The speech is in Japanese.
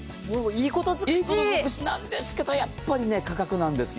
いいこと尽くしんですけど、やっぱり価格なんですよ。